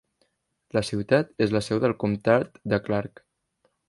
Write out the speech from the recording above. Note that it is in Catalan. La ciutat és la seu del comtat de Clark.